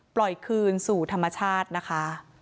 ปล่อยคืนสู่ธรรมชาตินะคะ